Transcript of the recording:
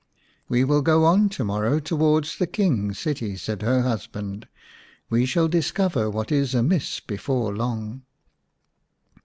"We will go on to morrow towards the King's city," said her husband. " We shall discover what is amiss before long."